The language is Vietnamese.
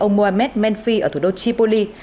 ông mohamed menfi ở thủ đô tripoli